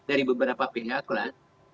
dari beberapa pihak lah